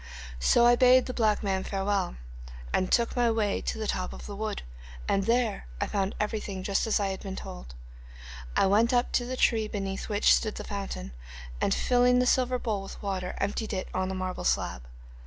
'So I bade the black man farewell, and took my way to the top of the wood, and there I found everything just as I had been told. I went up to the tree beneath which stood the fountain, and filling the silver bowl with water, emptied it on the marble slab.